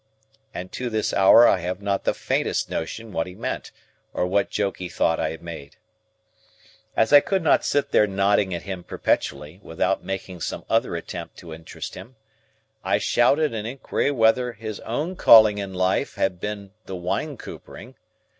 And to this hour I have not the faintest notion what he meant, or what joke he thought I had made. As I could not sit there nodding at him perpetually, without making some other attempt to interest him, I shouted at inquiry whether his own calling in life had been "the Wine Coopering."